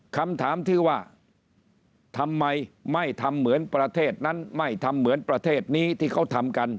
คำถามที่ว่าทำไมไม่ทำเหมือนประเทศนั้นไม่ทำเหมือนประเทศนี้ที่เขาทำกัน